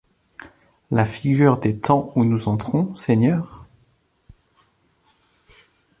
La figure des temps où nous entrons, Seigneur ?